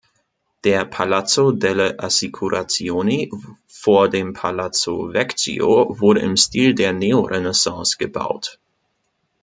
Der "Palazzo delle Assicurazioni" vor dem Palazzo Vecchio wurde im Stil der Neorenaissance gebaut.